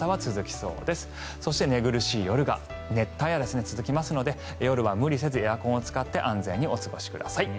そして寝苦しい夜が熱帯夜が続きますので夜は無理せずエアコンを使って安全にお過ごしください。